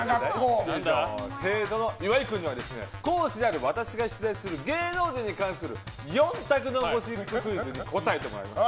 生徒の岩井君には講師である私が出題する芸能人に関する４択のゴシップクイズに答えてもらいます。